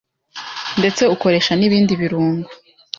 ndetse ukoresha n’ibindi birungo.